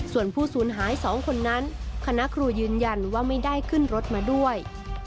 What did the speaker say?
ส่วนผู้สูญหาย๒คนนั้นคณะครูยืนยันว่าไม่ได้ขึ้นรถมาด้วย